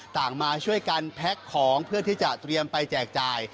มาช่วยกันแพ็คของเพื่อที่จะเตรียมไปแจกจ่าย